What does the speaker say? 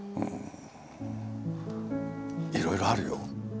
いろいろあるよ。